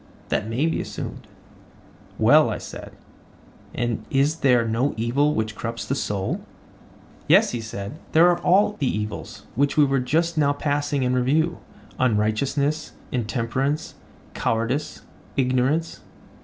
That may be assumed. Well, I said, and is there no evil which corrupts the soul? Yes, he said, there are all the evils which we were just now passing in review: unrighteousness, intemperance, cowardice, ignorance.